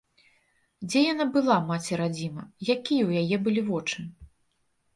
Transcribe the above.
Дзе яна была, маці-радзіма, якія ў яе былі вочы?